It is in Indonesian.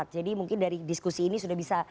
jadi mungkin dari diskusi ini sudah bisa